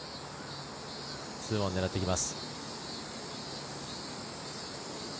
２オン狙っていきます。